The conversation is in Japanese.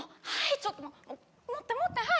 ちょっと持って持ってはい！